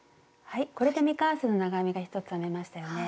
これで未完成の長編みが１つ編めましたよね。